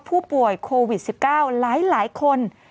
ผู้ป่วยโควิด๑๙หลายคน